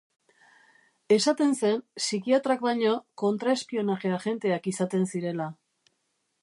Esaten zen psikiatrak baino, kontraespionaje agenteak izaten zirela.